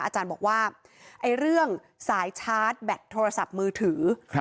อาจารย์บอกว่าเรื่องสายชาร์จแบตโทรศัพท์มือถือ